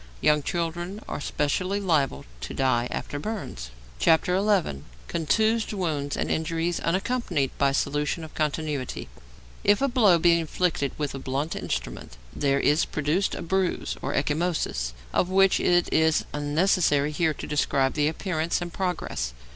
Young children are specially liable to die after burns. XI. CONTUSED WOUNDS AND INJURIES UNACCOMPANIED BY SOLUTION OF CONTINUITY If a blow be inflicted with a blunt instrument, there is produced a bruise, or ecchymosis, of which it is unnecessary here to describe the appearance and progress.